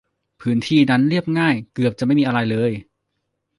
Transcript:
พื้นที่นั้นเรียบง่าย เกือบจะไม่มีอะไรเลย